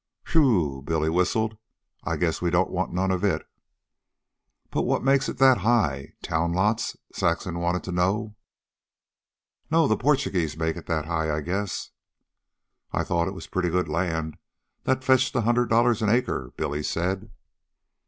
"Whew!" Billy whistled. "I guess we don't want none of it." "But what makes it that high? Town lots?" Saxon wanted to know. "Nope. The Porchugeeze make it that high, I guess." "I thought it was pretty good land that fetched a hundred an acre," Billy said.